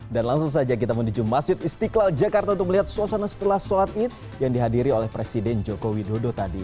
dan langsung saja kita menuju masjid istiqlal jakarta untuk melihat suasana setelah sholat itu yang dihadiri oleh presiden joko widodo tadi